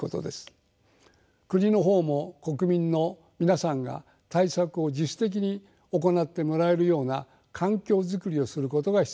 国の方も国民の皆さんが対策を自主的に行ってもらえるような環境作りをすることが必要です。